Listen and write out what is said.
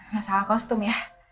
masalah kostum ya